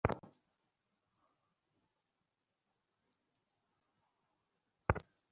তাহার সমস্ত মুখ আকর্ণপ্রসারিত হাসিতে ভরিয়া গেল।